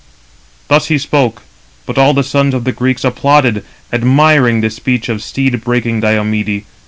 Thus he spoke; but all the sons of the Greeks applauded, admiring the speech of steed breaking Diomede.